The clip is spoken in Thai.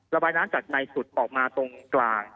ระบายน้ำจากในสุดออกมาตรงกลาง